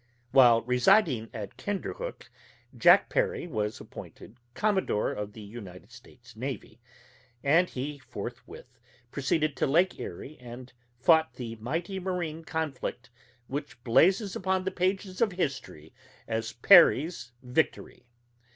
While residing at Kinderhook, Jack Perry was appointed Commodore of the United States Navy, and he forthwith proceeded to Lake Erie and fought the mighty marine conflict, which blazes upon the pages of history as "Perry's Victory."